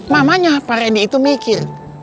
mamanya pak randy itu mikir